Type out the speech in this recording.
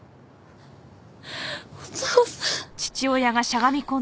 お父さん。